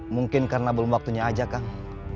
mungkin karena belum waktunya aja kang